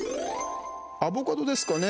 アボカドですかね。